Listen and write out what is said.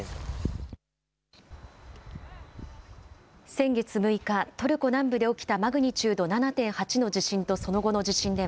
先月６日、トルコ南部で起きたマグニチュード７．８の地震とその後の地震で